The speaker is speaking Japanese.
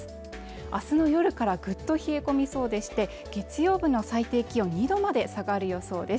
明日の夜からぐっと冷え込みそうでして月曜日の最低気温２度まで下がる予想です